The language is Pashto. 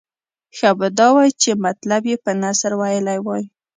ښه به دا وای چې مطلب یې په نثر ویلی وای.